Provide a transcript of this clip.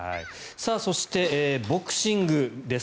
そして、ボクシングです。